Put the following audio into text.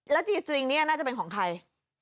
แล้วจีสตริงเนี่ยน่าจะเป็นของใคร